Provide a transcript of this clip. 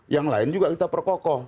yang lain juga kita perkokoh